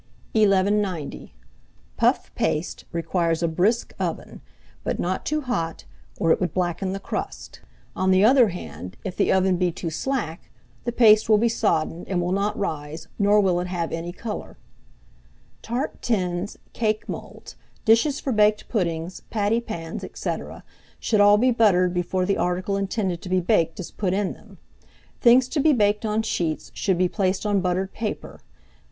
[Illustration: PASTE CUTTER AND CORNER CUTTER.] [Illustration: ORNAMENTAL PASTE CUTTER.] 1190. Puff paste requires a brisk oven, but not too hot, or it would blacken the crust; on the other hand, if the oven be too slack, the paste will be soddened, and will not rise, nor will it have any colour. Tart tins, cake moulds, dishes for baked puddings, pattypans, &c., should all be buttered before the article intended to be baked is put in them: things to be baked on sheets should be placed on buttered paper.